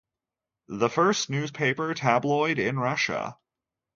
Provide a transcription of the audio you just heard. The first newspaper tabloid in Russia.